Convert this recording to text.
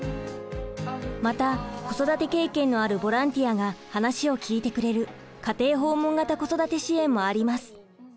また子育て経験のあるボランティアが話を聞いてくれる家庭訪問型子育て支援もあります。